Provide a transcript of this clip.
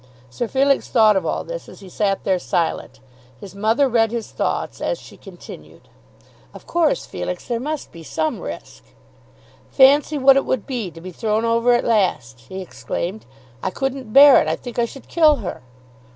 Sir Felix thought of all this as he sat there silent. His mother read his thoughts as she continued. "Of course, Felix, there must be some risk." "Fancy what it would be to be thrown over at last!" he exclaimed. "I couldn't bear it. I think I should kill her."